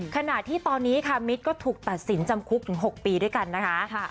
ขณะที่ตอนนี้ค่ะมิตรก็ถูกตัดสินจำคุกถึง๖ปีด้วยกันนะคะ